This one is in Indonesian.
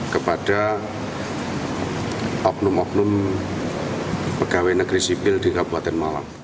kepada oknum oknum pegawai negeri sipil di kabupaten malang